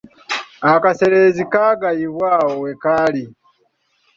Akaseerezi kagayibwa awo we kali.